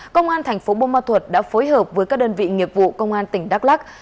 công an thành phố bô ma thuật đã phối hợp với các đơn vị nghiệp vụ công an tỉnh đắk lắc